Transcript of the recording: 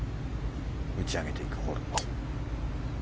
打ち上げていくホール。